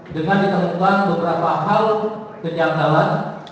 dengan ditemukan beberapa hal kejanggalan